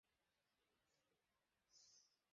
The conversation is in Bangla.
হেনরি বিসোনেট, একজন ফ্রিল্যান্স স্কুবা ডুবুরি।